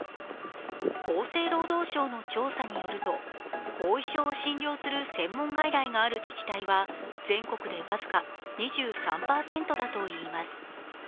厚生労働省の調査によると後遺症を診療する専門外来がある自治体は全国で僅か２３％だといいます。